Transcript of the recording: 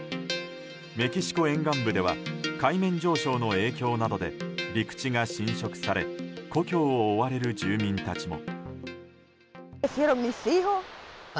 メキシコ沿岸部では海面上昇の影響などで陸地が浸食され故郷を追われる住民たちも。